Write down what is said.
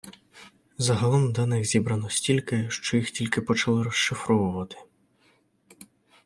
Загалом даних зібрано стільки, що їх тільки почали розшифровувати.